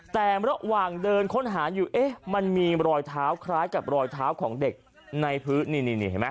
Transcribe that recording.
แต่ระหว่างเดินค้นหาอยู่เอ๊ะมันมีรอยเท้าคล้ายกับรอยเท้าของเด็กในพื้นนี่เห็นไหม